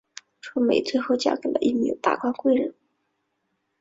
春梅最后嫁给了一名达官贵人。